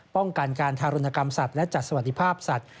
ป้องกันการทารุณกรรมสัตว์และจัดสวัสดิภาพสัตว